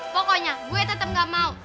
pokoknya gue tetap gak mau